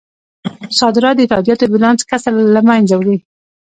صادرات د تادیاتو بیلانس کسر له مینځه وړي.